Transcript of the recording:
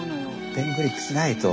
ペングリップしないと。